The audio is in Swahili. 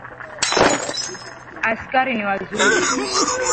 Askari ni wazuri.